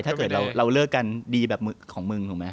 ถ้าเกิดเราเลิกกันดีแบบของมึงถูกไหม